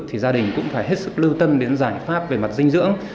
thì gia đình cũng phải hết sức lưu tâm đến giải pháp về mặt dinh dưỡng